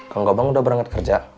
kang gopang udah berangkat kerja